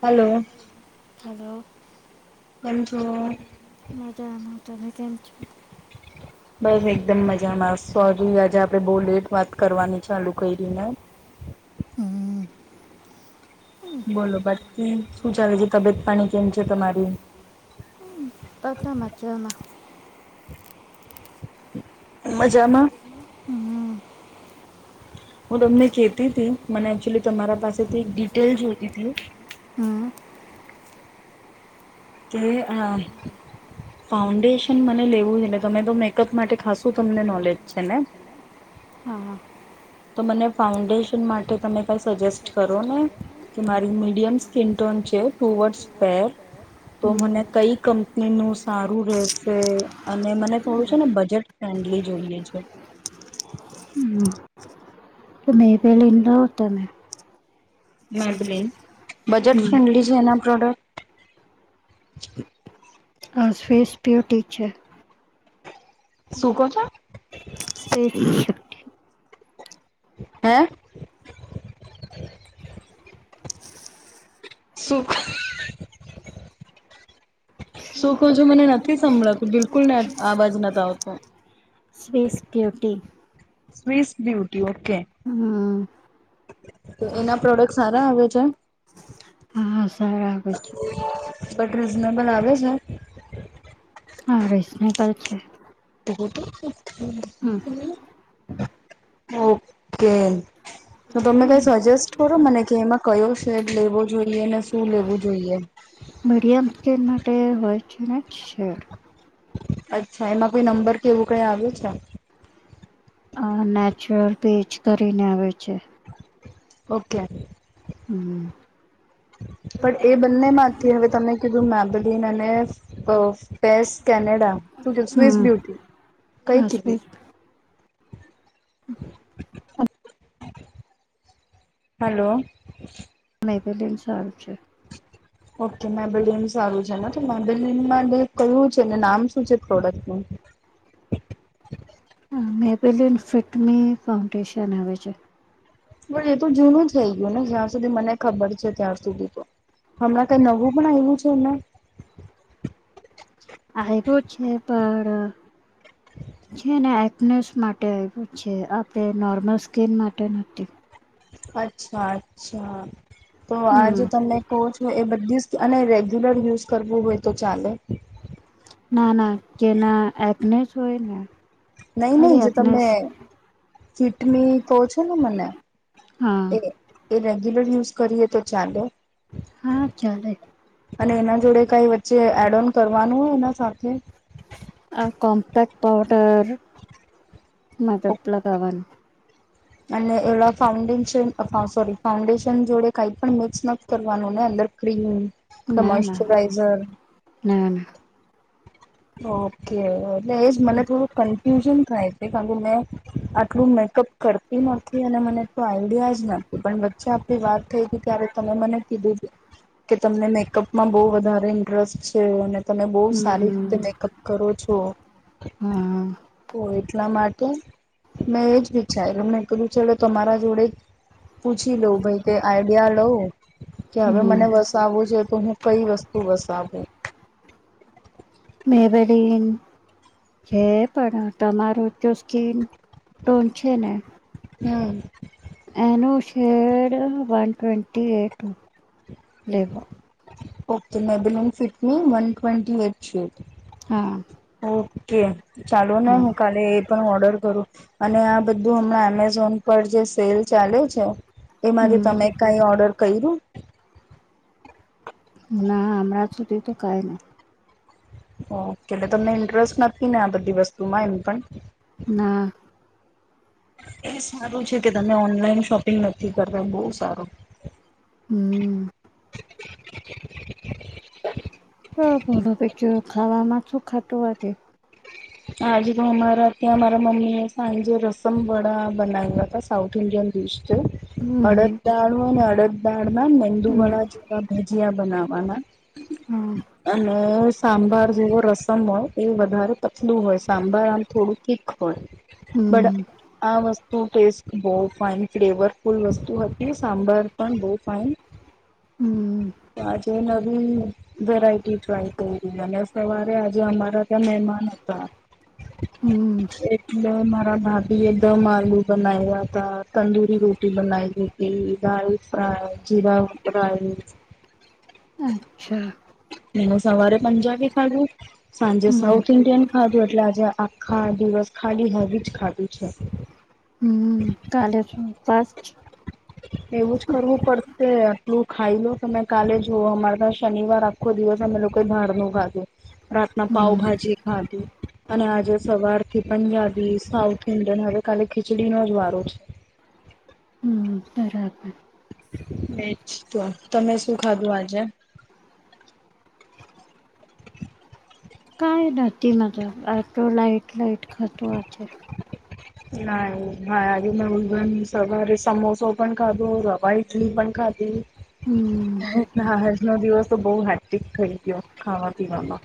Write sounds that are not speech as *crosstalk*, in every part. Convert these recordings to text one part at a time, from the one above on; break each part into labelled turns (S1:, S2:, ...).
S1: Hello
S2: હ
S1: પચો
S2: મજાનું તમે કેમ છ
S1: બસ એકદમ મજામાં સોરી આજે આપડે બહુ લેટ વાત કરવાની ચાલુ કરીને
S2: હમ
S1: બોલો બાકીકી શું ચાલે છે તબિયત પાણી કેમ છે તમારી
S2: પતા માચામાં
S1: મજામાં
S2: હમ
S1: હું તમને કે તી હતી મને એકચુલી તમારા પાસેથી એક ડિટેલ જોતી હતી.
S2: હા.
S1: કે આ ફાઉન્ડેશન મને લેવું છેટલે તમે તો મેકઅપ માટે ખાસું તમને નોલેજ છે ને
S2: હા
S1: તો મને ફાઉન્ડેશન માટે તમે કંઈ સજેસ્ટ કરો ને કે મારી મીડિયમ સ્કીન ટોન છે ટુ વર્સપેર તો
S2: હમ
S1: મને કઈ કંપની નું સારું રહેશે અને મને થોડું છે ને બજેટ માંડલી જોઈએ છે.
S2: હમ્મ. કે મે પહલે *unintelligible* તમેં.
S1: *unintelligible* બજેટ
S2: હમ
S1: ફ્રેન્ડલી છે એના પ્રોડક્ટ
S2: હા ફેસ *unintelligible* છે.
S1: શું કો છો.
S2: *unintelligible*
S1: હે. સુખ *unintelligible* શું કહો છો મને નથી સંભળાતું બિલકુલ ને અવાજ નથી આવતો.
S2: *unintelligible*
S1: Face beauty okay.
S2: હમ
S1: તો એના પ્રોડક્ટ સારા આવે છે.
S2: હા સારા આવે છે.
S1: બટ રીઝનેબલ આવે છે.
S2: હા રિઝનેબલ છે. હમ
S1: *unintelligible* ઓકે. તો તમે કઈ સજેસ્ટ કરો મને કે એમાં કયો શેડ લેવો જોઈએ ને શું લેવું જોઈએ.
S2: મીડિયમ સ્કીના માટે હોય છે ને સેડ.
S1: અચ્છા એમાં કોઈ નંબર કેવું કઈ આવ્યું છે.
S2: અ નેચરલ પીચ કરીને આવે છે.
S1: ઓકે.
S2: હમ્મ.
S1: પણ એ બંને માંથી હવે તને કીધું મેબલિન અને અ પેસ કેનેડા શું કીધું સ્વિસ
S2: હમ
S1: બ્યુટી. કઈ
S2: આ
S1: કીદી.
S2: Space *unintelligible*
S1: hello.
S2: નઈ મેબલિન સારું છે.
S1: ઓકે મેબલિન સારું છે ને તો મેબેલિનમાં કયું છે ને નામ શું છે પ્રોડક્ટનું.
S2: મેબલીન ફિટમી ફાઉન્ડેશન આવે છે.
S1: પણ એ તો જૂનું થઇ ગયું ને જ્યાં સુધી મને ખબર છે ત્યાં સુધી તો. હમણાં કંઈ નવું પણ આવ્યું છે ને.
S2: આવ્યો છે પણ છે ને ફીટનેસ માટે આવ્યું છે આપણે નોર્મલ સ્કીન માટે નથી.
S1: અચ્છા અચ્છા તો આજે
S2: હમ
S1: તમને કોચ હોય એ બધી અને રેગ્યુલર યુઝ કરવું હોય તો ચાલે.
S2: ના ના કેના એકને જ હોય ને.
S1: નહી નહી
S2: ખાલી
S1: જો
S2: એકનેસ
S1: તમને ફિટ મી કો છો ને મને
S2: હા
S1: એ એ રેગ્યુલર યુઝ કરીએ તો ચાલો.
S2: હા ચલે
S1: અને એના જોડે કઈ વચ્ચે એડ ઓન કરવાનું હોય એના સાથે
S2: આ કોંપક્ટ પૌડર માબપલા કવાની
S1: અને એવા ફાઉન્ડેશન સોરી ફાઉન્ડેશન જોડે કઈ પણ મિક્સ નથી કરવાનું ને અંદર. ક્રીમ ને
S2: ના ના ના
S1: મોશ્ચરાઈઝર.
S2: *unintelligible*
S1: ઓકે ઓકે ને એજ મને થોડું કન્ફ્યુઝન થાય છે. કારણ કે મેં આટલું મેકઅપ કરતી નથી અને મને એટલું આઈડિયા જ ન પણ વચ્ચે આપડી વાત થઈ ગ ત્યારે તમે મને કીધું છે કે તમને મેકઅપમાં બહુ વધારે ઇન્ટરેસ્ટ છે અને તમે બહુ સારી
S2: હમ
S1: મેકઅપ કરો છો
S2: હા
S1: એટલા માટે મેં એ જ વિચાર્યું એમને કધું છે એલે તમારા જોડે જ પૂછી લો ભાઈ તે આઈડિયા લો કે હવે
S2: હમ
S1: મને વસાવવું જો તો હું કઈ વસ્તુ વસાવું
S2: મેબરીન જે પડ તમારોું જો સ્કીન ટોન છે ને
S1: હમ
S2: એનોુ શેર વન ટ્વન્ટટી એટ લેવો
S1: ઓકે મેબલન ફિટની વન ટ્વેન્ટી એટ શીટ
S2: હા
S1: ઓકે ચાલો ના હું કાલે પણ ઓર્ડર કરું અને આ બધું હમણાં એમેઝોન પર જે સેલ ચાલે છે એમાંથી
S2: હમ
S1: તમે કઈ ઓર્ડર કર્યું
S2: ના અરાં સુધી તો કઈ નહી
S1: ઓકે એટલે તમને ઇન્ટરેસ્ટ નથી ને આ બધી વસ્તુમાં એમ પણ
S2: ના
S1: એ સારું છે કે તમે ઓનલાઈન શોપિંગ નથી કરવા બહુ સારું
S2: હમ હ બો પ ખાવાવામાં શું ખાતું આજ
S1: આજે તો અમારા ત્યાં મારા મમ્મી એ સાંજે રસમ વડા બનાવ્યા
S2: હમ
S1: અડદદાળ અને અડદાળમાં
S2: હમ
S1: મેંદુવાળા જેવા ભાજીયા બનાવવાના
S2: હા
S1: અને સાંભાર જેવો રસમ હોય એ વધારે પતલું હોય સાંભર આમ થોડું તીક હોય બટ
S2: હમ
S1: આ વસ્તુ ટેસ્ટ બહ ફઇન ફ્લેવરફુલ વસ્તુ હતી સાંભાર પણ બહ ફાઈન
S2: હમ
S1: આજ નવી વેરાયટી ટ્રાય કરી અને સવારે આજે અમારા ત્યાં મહેમાન હતા
S2: હમ
S1: હ એટલે મારા ભાભી એ દમ આલુ બનાવ્યા હતા તંદુરી રોટી બનાવી હતી દાલ ફ્રાય જીરા રઈ
S2: અચ્છા
S1: એનું સવારે પંજાબી ખાધું સાંજે
S2: હમ
S1: સાઉથ ઇન્ડિયન ખાધું એટલે આજે આખા દિવસ ખાલી હવી જ ખાધું છે
S2: હમ કાલે
S1: એવું જ
S2: *unintelligible*
S1: કરવું પડશે આટલું ખાઈ લો તમે કાલે જુઓ અમારે ત શનિવાર આખો દિવસ અમે લોકો ભડ નું ખાધું રાતના
S2: હમ
S1: પાઉભાજી ખાવ અને આજે સવાર થી પંજાબી સાઉથ ઇન્ડિયન હવે કાલે ખીચડીનોો જ વારો છે
S2: હમ બરાબર
S1: ચ તો તમે શું ખાધું આજે
S2: કાઈ નથી મતલબ આટો લાટ લઇટ ખતો
S1: ના ભાઈ આજે મે ઉલગન સવારે સમોસો પણ ખાધું રવા ઈટલી પણ ખાધી
S2: હમ્મ
S1: આજ ન દિવસ તો બહ હેક્ટિક થઇ ગયો ખાવા પીવાવામાં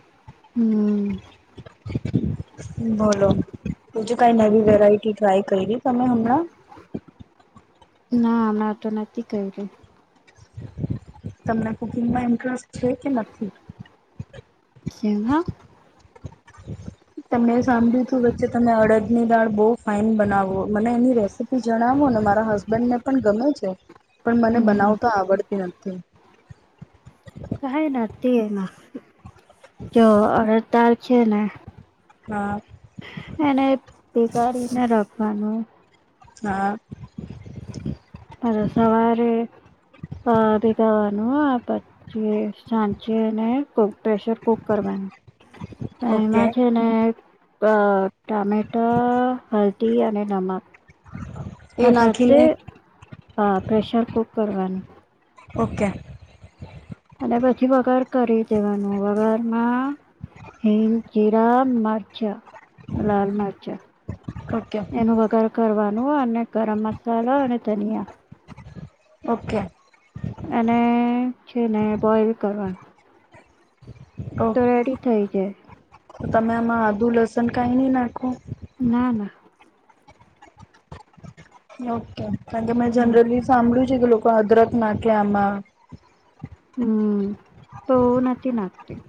S2: હમ
S1: *inaudible* બોલો બીજું કઈ નવી વેરાઈટી ટ્રાય કરી તમે હમણાં
S2: ના હમણાં તો નથી ક રહી
S1: તમને કુકિંગમાં ઇન્ટરેસ્ટ છે કે નથી
S2: જિમ હ
S1: તમે સાંભળ્યું તું વચ્ચે તમે અડદ ની દાળ બહુ ફાાઈન બનાવો મને એની રેસીપી જણાવો ને મારા હસબન્ડને પણ ગમે છે પણ મને
S2: હમ
S1: બનાવું તો આવડતી નથી
S2: કહે ના તે કે અરડ દાળ છે ને
S1: હા
S2: એને ભીગાડીને રાખવાનું
S1: હા
S2: સવારે *unintelligible* સાંચીને પ્રેશર કુક કરવાનું
S1: ઓકે
S2: એમાં છે મે ટમેટા હલ્દી અને નમક
S1: એ
S2: ના સાથે
S1: નાખીને
S2: પ્રેશર કુક કરવાનું
S1: ઓકે
S2: અને પછી વગાર કરી દેવાનું વગારમાં હિંગ જીરા મરચા લાલ મરચા
S1: ઓકે
S2: એનું વગાર કરવાનું અને ગરમ સળો અને ધનિયા
S1: ઓકે
S2: અને છે ને બોઈલ કરવા
S1: ઓ
S2: થઈ જાય
S1: તમે આમાં આદુ લસન કઈ નઈ નાખો
S2: ના ના
S1: ઓકે કારણ કે મે જનરલી સાંભળું છે કે લોકો અદરક નાખે આમાં
S2: હમ્મ તો નથી નાખતી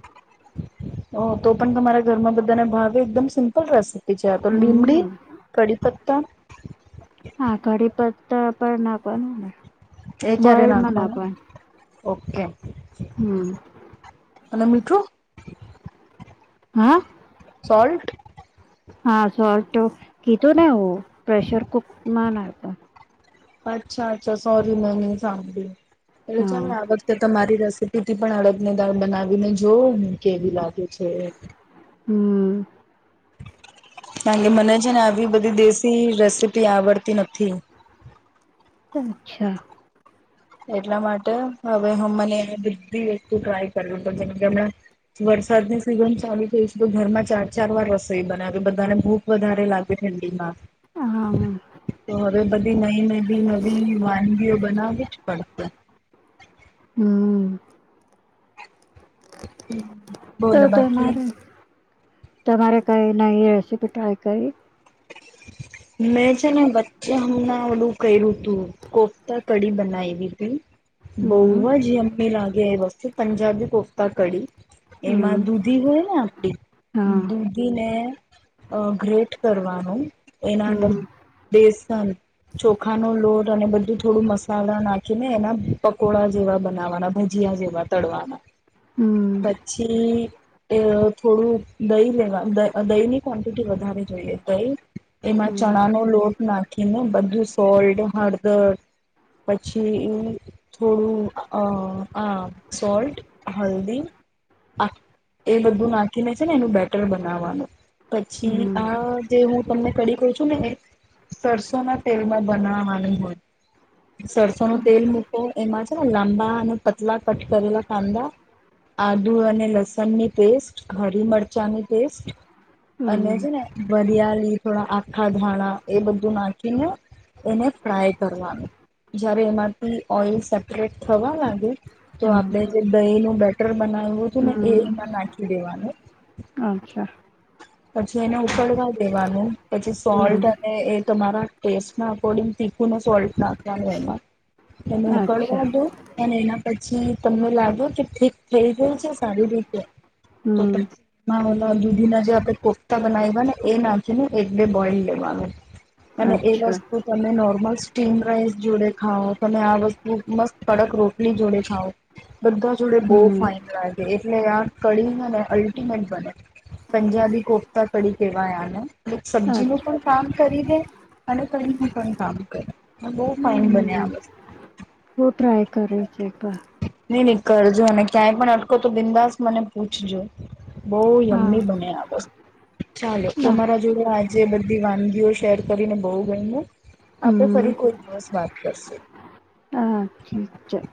S1: ઓ તો પણ તમારા ઘરમાં બધાના ભાવે એકદમ સિમ્પલ રેસિપી પ છે તો લીમડી
S2: હમ
S1: કઢી પત્તા
S2: હા કડી પત્તા પણ નાખ વા નુંને
S1: એ ક્યારે
S2: બોયલ માં નાખ
S1: નાખવાનું
S2: વાનું
S1: ઓકે
S2: હમ્મ
S1: અને મીઠું
S2: હા
S1: સોલ્ટ
S2: હા સોલ્ટ તો કીધું ને હુ પ્રેેશર કુકમાં ના ખાવા
S1: અચ્છા અચ્છા સોરી મે નહીં સાંભળ્યું એટલે
S2: હા
S1: ચાલ આગળ તે તમારી રેસીપી થી પણ અડદ ને દાળ બનાવીને જોઓ કેવી લાગે છે
S2: હમ્મ
S1: કારણ કે મને છે ને આવી બધી દેશી રેસીપી આવડતી નથી
S2: અચ્છા
S1: એટલા માટે હવે હું મને એને બધી વસ્તુ ટ્રાય કર *unintelligible* જેમ કે વરસાદ ની સિઝન ચાલુ થઈ છે તો ઘરમાં ચાર ચાર વાર રસોઈ બનાવે બધાને ભૂ વધારે લાગે ઠંડી માં
S2: હા
S1: તો હવે બધી નવી નવી નવી વાનગીઓ બનાવી છે *inaudible*
S2: હમ તો
S1: બોલો
S2: તો માર
S1: બાકી
S2: તમારે કઈ નવી રેસીપી ટ્રાય કરી
S1: મેં છે ને હમણાં ઓડું કર્યું તું કોફતા કડી બનાવીવી હતી
S2: હમ
S1: બહુજ યમી લાગે એ મસ્તુ પંજાબી કોફતા કડી એમાં
S2: હમ
S1: દૂધી હોય ને આપડી
S2: હા
S1: દૂધી ને અ ગ્રેટ કરવાનું એના અંદર
S2: હમ
S1: દ ચોખા નો લોટ અને બધું થોડું મસાલા નાખી ને એના પકોડા જેવા બનાવાના ભ જી જેવા તડવાના
S2: હમ
S1: પ જી થોડું દહી લેવા દહી ની ક્વન્ટિટી વધારે જોઈએ દહી એમાં
S2: હમ
S1: ચણા નો લોટ નાખીને બધું સોલ્ટ હળદર પછી એ થોડું અ આ સોલ્ટ હલ્દી એ બધું નાખીને છે ને એનું બેટર બનાવાનું પછી
S2: હમ
S1: આ જે હું તમને કડી કું છું ને સરસો ના તેલમાં બનાવવાનું હોય સરસો નો તેલ મૂકો એમાં છે ને લાંબા અને પતલા કટ કરેલા કાંદા આદુ અને લસણની પેસ્ટ હરી મરચા ની પેસ્ટ અને
S2: હમ
S1: છે ને વરિયાળ થોડા આખા ધાણા એ બધું નાખીને એને ફ્રાય કરવાનું જય્યારે એમાંથી ઓઈલ સેપરેટ થવા લાગે તો
S2: હા
S1: આપણે જે દહીનું બેટર બનાવ્યું હતું ને
S2: હમ
S1: એમાં નાખી દેવાનું
S2: અચ્છા
S1: પછી એને ઉકડવા દેવાનું પછી
S2: હમ
S1: સોલ્ટ એ તમારા ટેસ્ટ અકોર્ડિંગ તીખુંને સોલટ નાખવાનું એમાં એ કવા
S2: અચ્છા
S1: દો અને એના પછી તમને લાગે કે ઠીક થઈ ગયું છે સારી રીતે તો
S2: હમ
S1: ઓ દુધીના જે આપણે કોફતા બનાવ્યા ને એ નાખી ને એક બે બોઇલ લેવાનું અને એ
S2: અચ્છા
S1: વસ્તુ તમે નોર્મલ સ્ટીમ રાઈસ જોડે ખાઓ તમે આ વસ્તુ મસ્ત કડક રોટલી જોડે ખાવઓ બધા જોડે બહુ
S2: હમ
S1: ફાાઈન લાગે એટલે આ કળનને અલ્ટિમેટ બને પંજાબી કોફતા તડીી કેવાયાને સબ્જી નું
S2: અચ્છા
S1: પણ કામ કરી દે અને કઈ હું કઈ કામ કર બહ ફાઇન બને આ વ
S2: હ ટ્રાય કરે છે એ બ
S1: નઈ નઈ કરજો અને ક્યાંય પણ અટકો તો બિંદાસ મને પૂછજો બહ
S2: હા
S1: યમી બને આ વસ ચાલો
S2: ના
S1: તમારા જોુ આજે બધી વાનગીઓ શેર કરીને બહુ ગય આપે
S2: હમ
S1: ફરી કોઈ દિવસ વાત કરશું
S2: છી છે